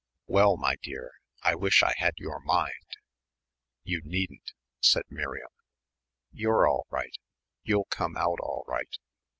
"Well, my dear, I wish I had your mind." "You needn't," said Miriam. "You're all right you'll come out all right.